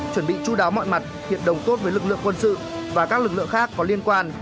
chuẩn bị chú đáo mọi mặt hiện đồng tốt với lực lượng quân sự và các lực lượng khác có liên quan